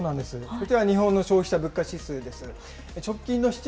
こちら、日本の消費者物価指数です。